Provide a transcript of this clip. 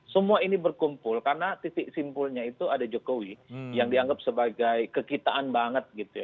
semua ini berkumpul karena titik simpulnya itu ada jokowi yang dianggap sebagai kekitaan banget gitu ya